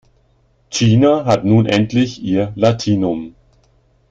Gina hat nun endlich ihr Latinum.